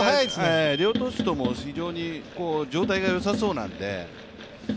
両投手とも非常に状態がよさそうなんで。